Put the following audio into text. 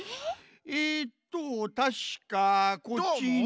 えっとたしかこっちに。